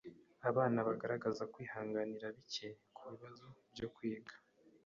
Abana bagaragaza kwihanganira bike kubibazo byo kwiga.